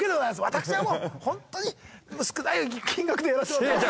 私はもうほんとに少ない金額でやらせてもらってます。